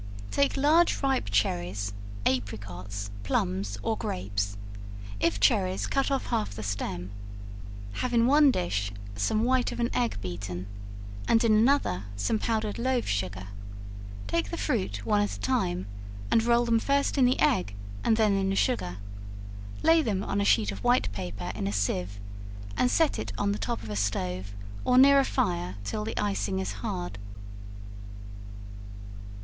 Take large ripe cherries, apricots, plums or grapes; if cherries, cut off half of the stem; have in one dish some white of an egg beaten, and in another some powdered loaf sugar; take the fruit, one at a time, and roll them first in the egg, and then in the sugar; lay them on a sheet of white paper in a sieve, and set it on the top of a stove or near a fire till the icing is hard.